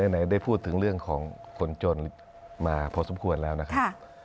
ไหนได้พูดถึงเรื่องของคนจนมาพอสมควรแล้วนะครับ